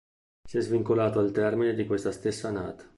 Si è svincolato al termine di questa stessa annata.